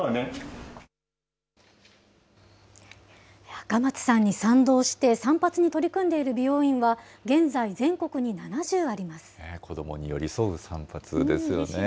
赤松さんに賛同して、散髪に取り組んでいる美容院は、現在、子どもに寄り添う散髪ですよね。